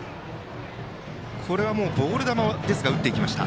これはボール球でしたが打っていきました。